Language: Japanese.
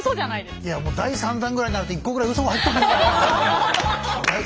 いやもう第３弾ぐらいになると１個ぐらいウソが入ってくるんじゃないかと。